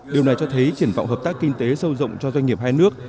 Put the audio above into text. điều này cho thấy triển vọng hợp tác kinh tế sâu rộng cho doanh nghiệp hai nước